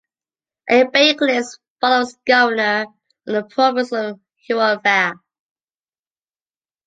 Al-Bakrīs father was governor of the province of Huelva.